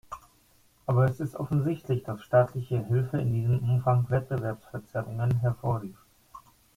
Aber es ist offensichtlich, dass staatliche Hilfe in diesem Umfang Wettbewerbsverzerrungen hervorrief.